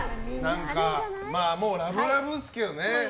ラブラブっすけどね。